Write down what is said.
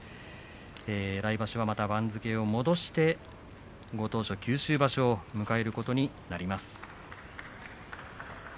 来場所はまた番付を戻してご当所、九州場所を迎えることになります。